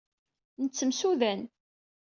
Nettemsudan.